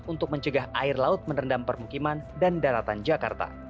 untuk mencegah air laut merendam permukiman dan daratan jakarta